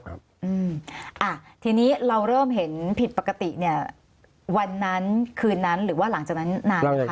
ครับอืมอ่ะทีนี้เราเริ่มเห็นผิดปกติเนี่ยวันนั้นคืนนั้นหรือว่าหลังจากนั้นนานไหมคะ